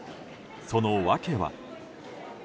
その訳は。